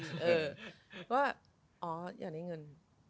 ก็ว่าอ๋ออย่าได้เงิน